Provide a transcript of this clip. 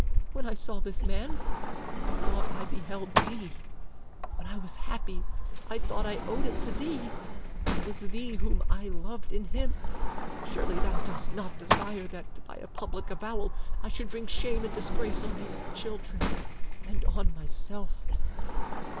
When I saw this man, I thought I beheld thee; when I was happy, I thought I owed it to thee; it was thee whom I loved in him. Surely thou dost not desire that by a public avowal I should bring shame and disgrace on these children and on myself."